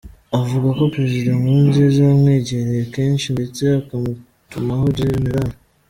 Avuga ko Perezida Nkurunziza yamwegereye kenshi ndetse akamutumaho Gen.